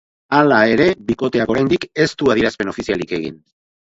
Hala ere, bikoteak oraindik ez du adierazpen ofizialik egin.